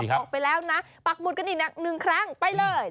บอกไปแล้วนะปากหมดกันนางนึงคนแหล่งไปเลย